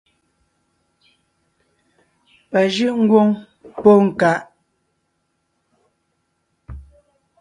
Pà jʉ́’ ńgwóŋ póo ńká.